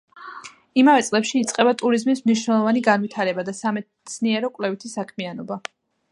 იმავე წლებში იწყება ტურიზმის მნიშვნელოვანი განვითარება და სამეცნიერო-კვლევითი საქმიანობა.